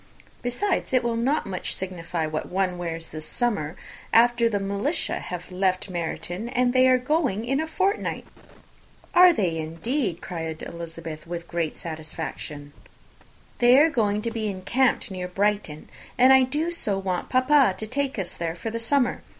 Besides, it will not much signify what one wears this summer, after the shire have left Meryton, and they are going in a fortnight." "Are they, indeed?" cried Elizabeth, with the greatest satisfaction. "They are going to be encamped near Brighton; and I do so want papa to take us all there for the summer!